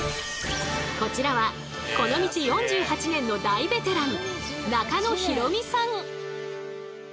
こちらはこの道４８年の大ベテラン